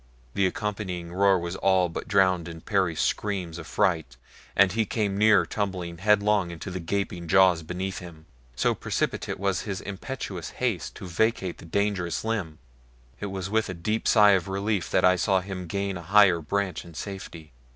The accompanying roar was all but drowned in Perry's scream of fright, and he came near tumbling headlong into the gaping jaws beneath him, so precipitate was his impetuous haste to vacate the dangerous limb. It was with a deep sigh of relief that I saw him gain a higher branch in safety.